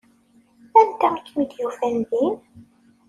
Anta i kem-id-yufan din?